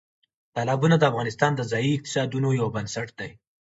تالابونه د افغانستان د ځایي اقتصادونو یو بنسټ دی.